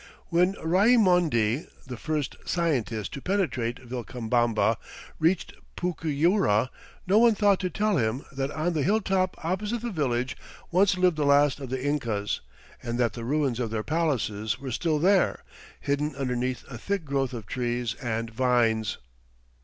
When Raimondi, the first scientist to penetrate Vilcabamba, reached Pucyura, no one thought to tell him that on the hilltop opposite the village once lived the last of the Incas and that the ruins of their palaces were still there, hidden underneath a thick growth of trees and vines.